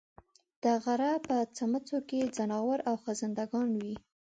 د غرۀ په څمڅو کې ځناور او خزندګان وي